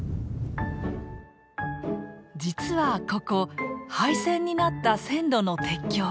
実はここ廃線になった線路の鉄橋。